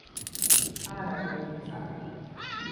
ห้านาทีถึงสาม